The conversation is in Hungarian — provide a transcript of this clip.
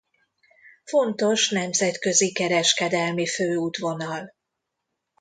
Fontos nemzetközi kereskedelmi főútvonal.